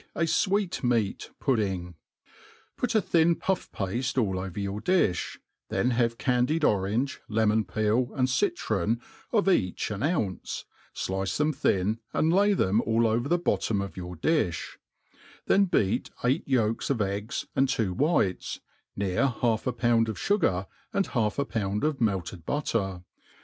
a Swat' Meat Pudding. PUT a thin pufF«pafte all over your di(h ^ then have candied drange, lemon peel, and citron, of each an ounce, flice them thin, and lay them all over the bottom of your difh ; then beat eight yolks of eggs, and two whites, near half a pound of fu gar, and half a pound of melted butter.